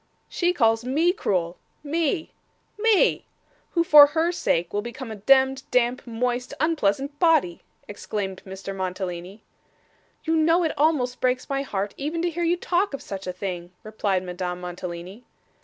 'She calls me cruel me me who for her sake will become a demd, damp, moist, unpleasant body!' exclaimed Mr. Mantalini. 'You know it almost breaks my heart, even to hear you talk of such a thing,' replied Madame Mantalini.